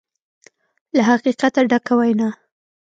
له حقیقته ډکه وینا